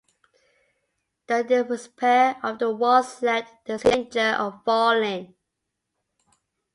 The disrepair of the walls left the city in danger of falling.